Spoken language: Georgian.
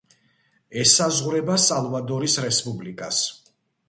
ესაზღვრება სალვადორის რესპუბლიკას.